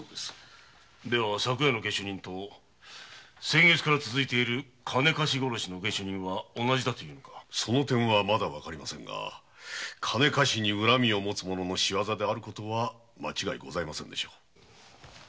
では昨夜の下手人と先月から続いている金貸し殺しの下手人は同じだというのか？まだわかりませぬが金貸しに恨みをもつ者の仕業であることは間違いございませぬ。